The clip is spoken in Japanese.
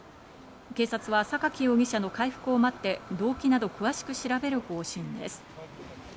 警察はサカキ容疑者の回復を待って動機など詳しく調べる方針です。